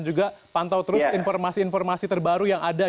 juga pantau terus informasi informasi terbaru yang ada